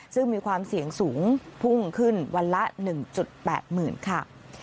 ซึ่งมีความเสี่ยงสูงพุ่งขึ้นวันละ๑๘๐๐๐ค่ะ